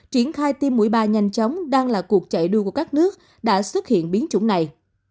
triển khai tiêm mũi ba nhanh chóng đang là cuộc chạy đua của các nước đã xuất hiện biến chủng này